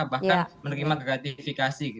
bahkan menerima gratifikasi